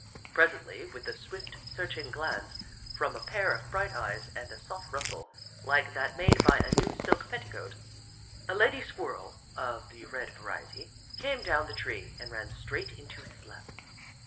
Presently, with a swift, searching glance from a pair of bright eyes and a soft rustle like that made by a new silk petticoat, a lady Squirrel, of the red variety, came down the tree and ran straight into his lap.